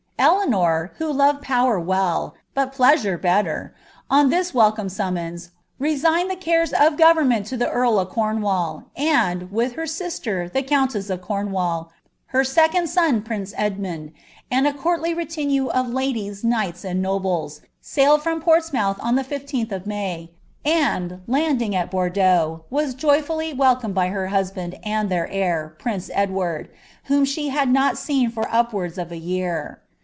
* Fioum, who loved power well, hut pleasure belter, on this welcome summinii resigned the cores of government tu the earl of Cornwall, and, wilh h> sisUit, itie countess of Cornwall, her second son, prince Edmund, and i courtly reijoue of Indies, knights, and nobles, sailed from rortsnioinh on the ISih of May, and, Unding at Bordeaux, was jo) fully welcooied by her tiusband, and their heir, prince Edward, whom she had not seeii for upwards of a year.